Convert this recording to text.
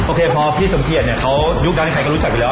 โคพอพี่สมเกียจเนี่ยเขายุคนั้นใครก็รู้จักอยู่แล้ว